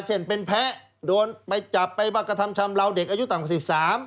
เช่นเป็นแพ้โดนไปจับไปบักกระทำชำลาวเด็กอายุต่างประสิทธิ์สาม